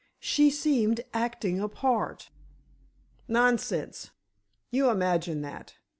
She seemed acting a part." "Nonsense! You imagine that.